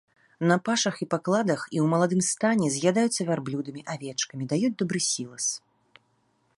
На пашах і пакладах і у маладым стане з'ядаюцца вярблюдамі, авечкамі, даюць добры сілас.